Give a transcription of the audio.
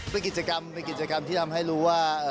เป็นกิจกรรมเป็นกิจกรรมที่ทำให้รู้ว่า